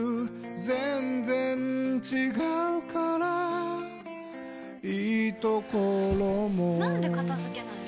全然違うからいいところもなんで片付けないの？